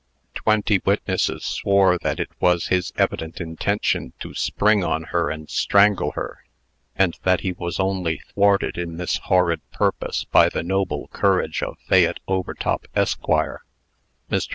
Twenty witnesses swore that it was his evident intention to spring on her and strangle her, and that he was only thwarted in this horrid purpose by the noble courage of Fayette Overtop, Esq. Mr.